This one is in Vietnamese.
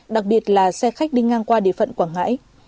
đặc biệt là xe khách đi ngang qua địa phận quảng ngãi